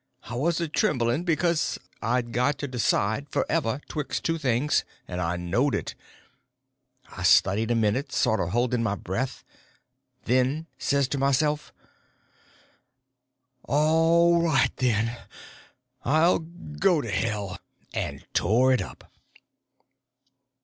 I was a trembling, because I'd got to decide, forever, betwixt two things, and I knowed it. I studied a minute, sort of holding my breath, and then says to myself: "All right, then, I'll go to hell"—and tore it up.